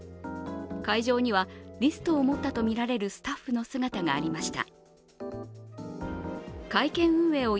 会場には、リストを持ったとみられるスタッフの姿がありました。